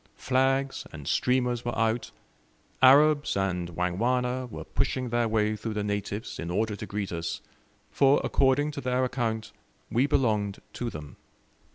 Flags and streamers were out; Arabs and Wangwana were pushing their way through the natives in order to greet us, for according to their account, we belonged to them.